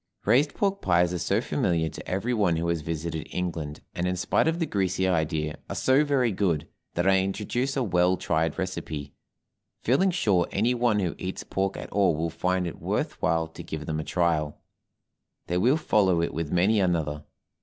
RAISED PORK PIES are so familiar to every one who has visited England, and, in spite of the greasy idea, are so very good, that I introduce a well tried recipe, feeling sure any one who eats pork at all will find it worth while to give them a trial; they will follow it with many another.